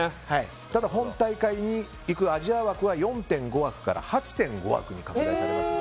ただ、本大会に行くアジア枠は４．５枠から８．５枠に拡大します。